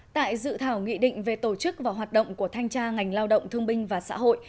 tại dự thảo nghị định về tổ chức và hoạt động của thanh tra ngành lao động thương binh và xã hội